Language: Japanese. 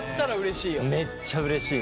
めっちゃうれしいね。